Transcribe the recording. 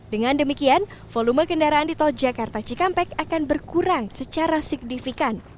dengan demikian volume kendaraan di tol jakarta cikampek akan berkurang secara signifikan